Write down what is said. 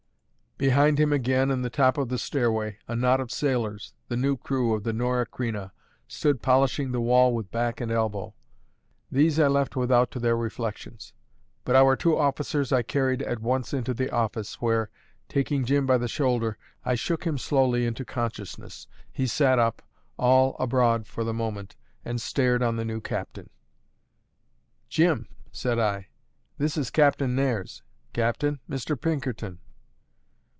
Behind him again, in the top of the stairway, a knot of sailors, the new crew of the Norah Creina, stood polishing the wall with back and elbow. These I left without to their reflections. But our two officers I carried at once into the office, where (taking Jim by the shoulder) I shook him slowly into consciousness. He sat up, all abroad for the moment, and stared on the new captain. "Jim," said I, "this is Captain Nares. Captain, Mr. Pinkerton."